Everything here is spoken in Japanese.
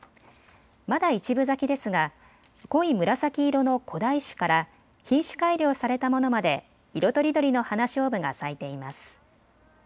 まだ１分咲きですが濃い紫色の古代種から品種改良されたものまで色とりどりのハナショウブが咲いています。